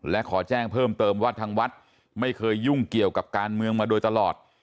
และขอแจ้งเพิ่มเติมว่าทางวัดไม่เคยยุ่งเกี่ยวกับการเมืองมาโดยตลอด